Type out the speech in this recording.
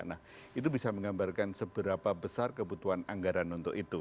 nah itu bisa menggambarkan seberapa besar kebutuhan anggaran untuk itu